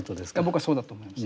僕はそうだと思います。